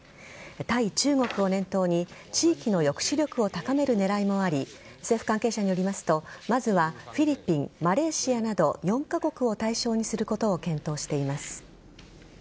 対中国を念頭に地域の抑止力を高める狙いもあり政府関係者によりますとまずはフィリピンマレーシアなど４カ国を対象にすることを検討しています。